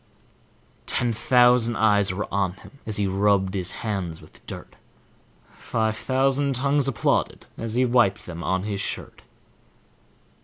Ten thousand eyes were on him as he rubbed his hands with dirt; Five thousand tounges applauded as he wiped them on his shirt.